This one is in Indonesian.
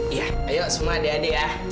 iya ayo semua adik adik ya